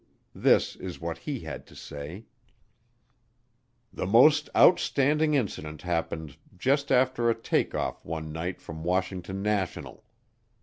This is what he had to say: The most outstanding incident happened just after a take off one night from Washington National.